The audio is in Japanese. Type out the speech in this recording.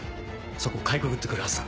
そこをかいくぐって来るはずだ。